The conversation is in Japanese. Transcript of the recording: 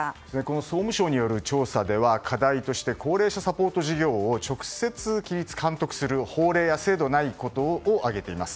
総務省による調査では課題として高齢者サポート事業を直接、規律・監督する法令や制度がないことを挙げています。